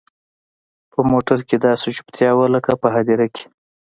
په موټر کښې داسې چوپتيا وه لكه په هديره کښې.